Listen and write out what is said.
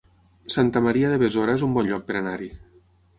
Santa Maria de Besora es un bon lloc per anar-hi